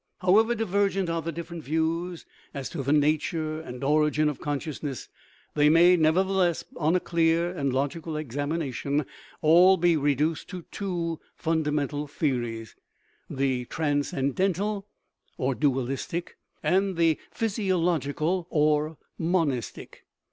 However divergent are the different views as to the nature and origin of consciousness, they may, never theless, on a clear and logical examination, all be re duced to two fundamental theories the transcenden tal (or dualistic) and the physiological (or monistic).